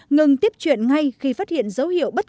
ngừng tiếp chuyện ngay khi phát hiện dấu hiệu bất thường